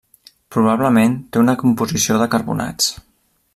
Probablement té una composició de carbonats.